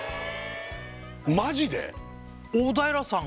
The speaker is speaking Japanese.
マジで？